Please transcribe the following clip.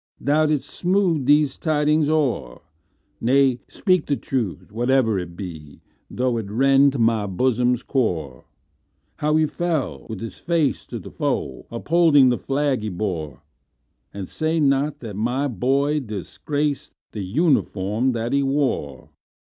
Thou 'dst smooth these tidings o'er,—Nay, speak the truth, whatever it be, Though it rend my bosom's core."How fell he,—with his face to the foe, Upholding the flag he bore? Oh, say not that my boy disgracedThe uniform that he wore!"